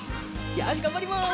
よしがんばります。